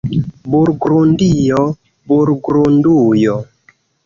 Burgundio, Burgundujo.